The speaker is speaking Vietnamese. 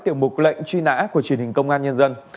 tiểu mục lệnh truy nã của truyền hình công an nhân dân